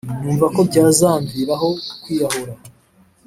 numva ko byazamviraho kwiyahura.